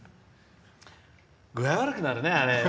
具合悪くなるね。